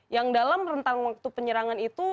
yang dalam rentang waktu penyerangan itu